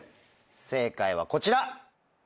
正解はこちら！